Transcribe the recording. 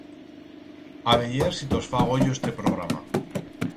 A veyer si tos fa goyo este programa!